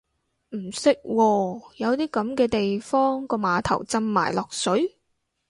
唔識喎，有啲噉嘅地方個碼頭浸埋落水？